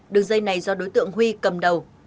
đường dây này do đối tượng huy cầm đầu